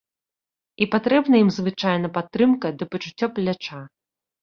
І патрэбна ім звычайна падтрымка ды пачуццё пляча.